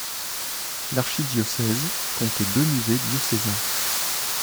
L'archidiocèse compte deux musées diocésains.